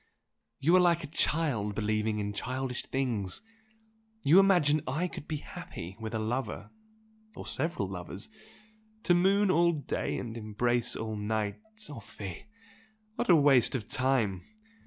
You are like a child believing in childish things! You imagine I could be happy with a lover or several lovers! To moon all day and embrace all night! Oh fie! What a waste of time!